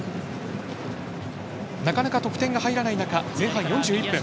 なかなか得点が入らない中前半４１分。